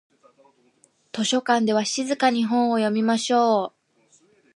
図書館では静かに本を読みましょう。